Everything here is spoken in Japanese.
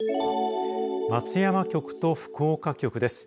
松山局と福岡局です。